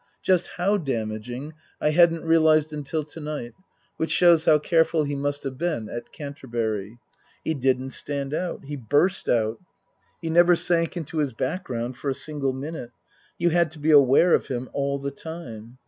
Just how damaging I hadn't realized until to night (which shows how careful he must have been at Canterbury). He didn't stand out. He burst out. He never sank into his background for a single minute. You had to be aware of him all the time.